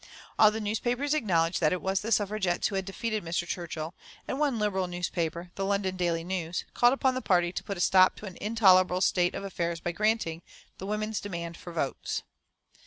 All the newspapers acknowledged that it was the Suffragettes who had defeated Mr. Churchill, and one Liberal newspaper, the London Daily News, called upon the party to put a stop to an intolerable state of affairs by granting the women's demand for votes.